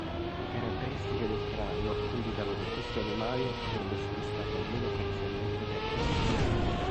Le caratteristiche del cranio indicano che questo animale potrebbe essere stato almeno parzialmente terrestre.